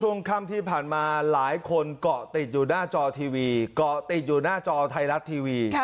ช่วงค่ำที่ผ่านมาหลายคนเกาะติดอยู่หน้าจอทีวีเกาะติดอยู่หน้าจอไทยรัฐทีวี